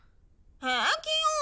平気よ。